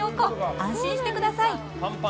安心してください。